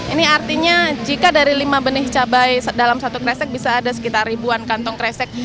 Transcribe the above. ini artinya jika dari lima benih cabai dalam satu kresek bisa ada sekitar ribuan kantong kresek